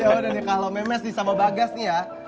ya udah nih kalau memes nih sama bagas nih ya